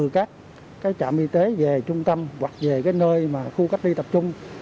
các trạm y tế về trung tâm hoặc về nơi khu cách đi tập trung